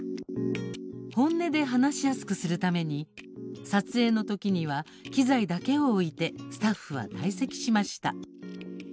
本音で話しやすくするために撮影のときには機材だけを置いてスタッフは退席しました。